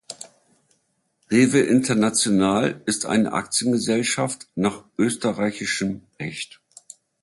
Rewe International ist eine Aktiengesellschaft nach österreichischem Recht.